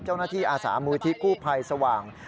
เจ้าหน้าที่อาสามูธิกูภัยสว่าง